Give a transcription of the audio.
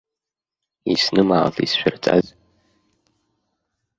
Иснымаалт исшәырҵаз.